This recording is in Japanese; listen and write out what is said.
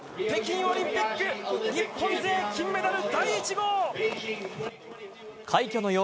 北京オリンピック日本勢金メダル第１号！